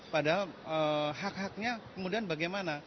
padahal hak haknya kemudian bagaimana